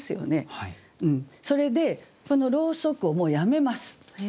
それでこの「ロウソク」をもうやめます。